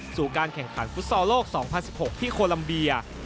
สู่การแข่งขันฟุตซอลโลก๒๐๑๖ที่โคลัมเบีย